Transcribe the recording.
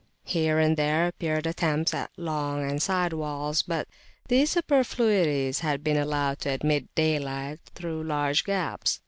Here and there appeared attempts at long and side walls, but these superfluities had been allowed to admit daylight through large gaps.